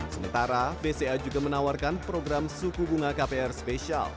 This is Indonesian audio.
sementara bca juga menawarkan program suku bunga kpr spesial